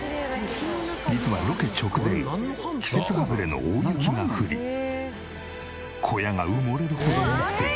実はロケ直前季節外れの大雪が降り小屋が埋もれるほどの積雪。